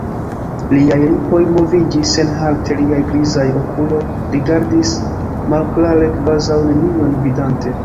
Liaj lipoj moviĝis senhalte, liaj grizaj okuloj rigardis malklare, kvazaŭ nenion vidante.